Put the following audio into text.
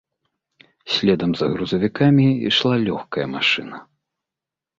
Следам за грузавікамі ішла лёгкая машына.